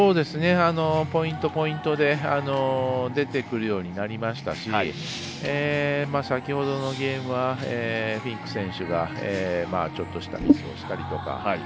ポイント、ポイントで出てくるようになりましたし先ほどのゲームはフィンク選手がちょっとしたミスをしたりとか。